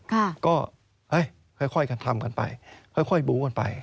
ค่ะก็ค่อยกันทำกันไปค่อยบุ้งกันไป